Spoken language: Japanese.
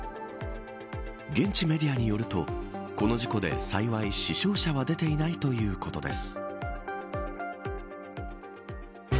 現地メディアによるとこの事故で幸い、死傷者は出ていないということです。